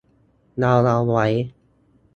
เราเอาไว้